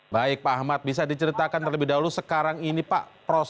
baik pak ahmad bisa diceritakan terlebih dahulu sekarang ini pak